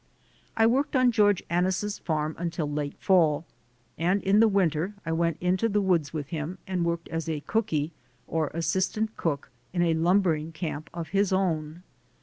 I worked on George Annis* farm until late fall, and in the winter I went into the woods with him and worked as "cookie" or assistant cook, in a lumbering camp of his own.